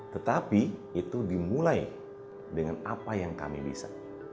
tetapi itu dimulai dengan apa yang kami bisa